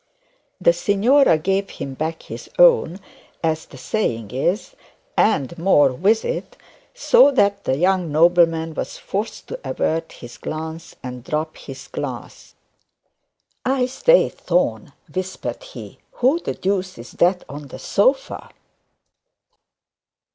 The signora gave him back his own, as the saying is, and more with it; so that the young nobleman was forced to avert his glance, and drop his glass. 'I say, Thorne,' whispered he, 'who the deuce is that on the sofa?'